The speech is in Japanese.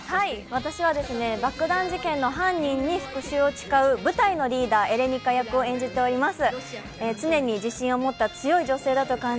私はですね、爆弾事件の犯人に復讐を誓う部隊のリーダー、エレニカ役を演じております。